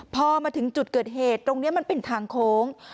พอมาถึงจุดเกิดเหตุตรงนี้มันเป็นทางโค้ง